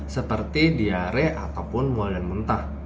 seperti diare ataupun mual dan mentah